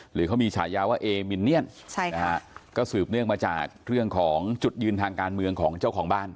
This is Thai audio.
หรือเขามีฉายาว่าเอมินเนียนก็สืบเนื่องมาจากเรื่องของจุดยืนทางการเมืองของเจ้าของบ้าน